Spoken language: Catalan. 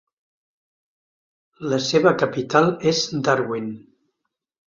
La seva capital és Darwin.